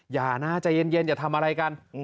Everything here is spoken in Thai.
อย่านะใจเย็นอย่าทำอะไรกัน